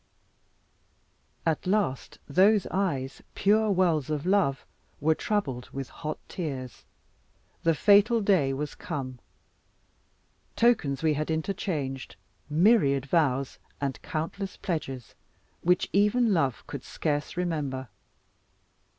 At last those eyes, pure wells of love, were troubled with hot tears. The fatal day was come. Tokens we had interchanged, myriad vows, and countless pledges, which even love could scarce remember.